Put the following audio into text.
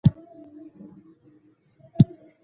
زه د یوټیوب لپاره ویډیو جوړوم